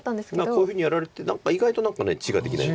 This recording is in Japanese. こういうふうにやられて何か意外と地ができない。